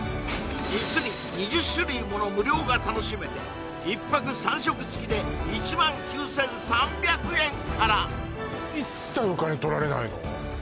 実に２０種類もの無料が楽しめて１泊３食付きで１９３００円から一切お金取られないの？